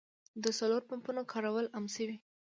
د سولر پمپونو کارول عام شوي.